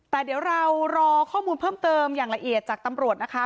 แต่เดี๋ยวเรารอข้อมูลเพิ่มเติมอย่างละเอียดจากตำรวจนะคะ